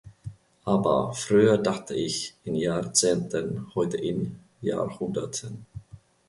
Aber: Früher dachte ich in Jahrzehnten, heute in Jahrhunderten.